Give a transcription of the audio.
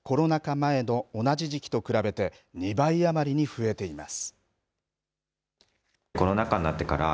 前の同じ時期と比べて２倍余りに増えています。